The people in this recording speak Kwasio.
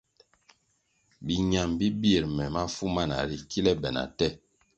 Biñam bi bir me mafu mana ri kile be na te.